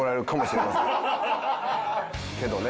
けどね。